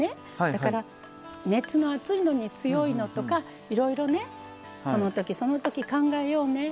だから、熱の熱いのに強いのとかいろいろ、そのときそのとき考えようね。